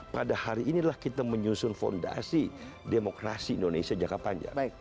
pada hari inilah kita menyusun fondasi demokrasi indonesia jangka panjang